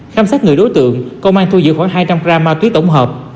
khám sát người đối tượng công an thu giữ khoảng hai trăm linh g ma túy tổng hợp